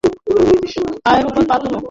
পায়ের উপর পা তোলা।